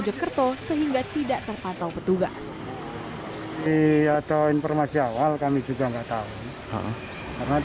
joggerto sehingga tidak terpantau petugas hai nia tahu informasi awal kami juga nggak tahu karena